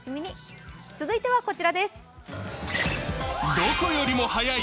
続いては、こちらです。